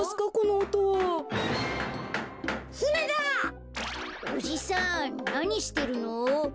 おじさんなにしてるの？